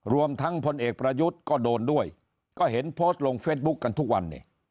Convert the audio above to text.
รวมทั้งพลเอกประยุทธ์ก็โดนด้วยก็เห็นโพสต์ลงเฟซบุ๊คกันทุกวันเนี่ย